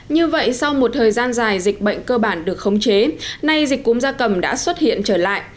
như vậy sau một thời gian dài dịch bệnh cơ bản được khống chế nay dịch cúm da cầm đã xuất hiện trở lại